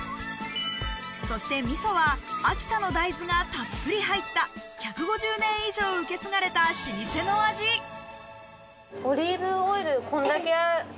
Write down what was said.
そして味噌は秋田の大豆がたっぷり入った１５０年以上受け継がれた老舗の味一つ一つ。